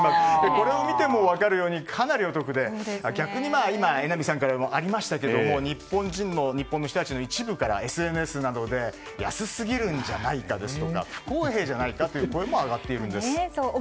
これを見ても分かるようにかなりお得で逆に今、榎並さんからもありましたけど日本の人たちの一部からＳＮＳなどで安すぎるんじゃないかですとか不公平じゃないかという声も上がっているんです。